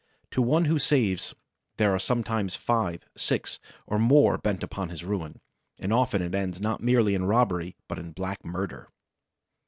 To one who saves there are sometimes five, six or more bent upon his ruin; and often it ends not merely in robbery but in black murder!